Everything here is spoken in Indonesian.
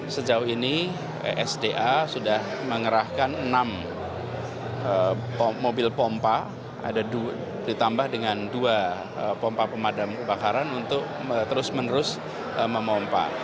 sejauh ini sda sudah mengerahkan enam mobil pompa ditambah dengan dua pompa pemadam kebakaran untuk terus menerus memompa